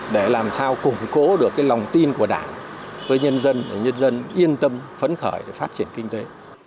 để làm sao củng cố được cái lòng tin của đảng với nhân dân để nhân dân yên tâm phấn khởi để phát triển kinh tế